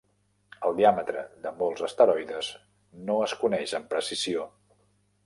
El diàmetre de molts asteroides no es coneix amb precisió.